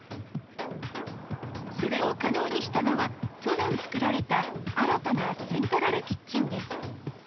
それを可能にしたのは、去年作られた新たなセントラルキッチンです。